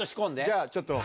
じゃあちょっと。